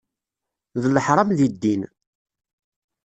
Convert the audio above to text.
D leḥram deg ddin.